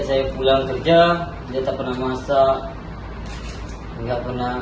saya pulang kerja dia tak pernah masak